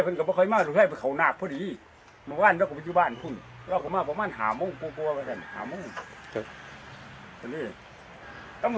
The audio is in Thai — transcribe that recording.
ต้องบอกเล่นเขาไปกันอุ้ยนอนอยู่นี้เรารอลย์นอนนี้ดีอะส่ง